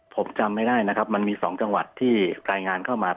ผมจำไม่ได้นะครับมันมี๒จังหวัดที่รายงานเข้ามา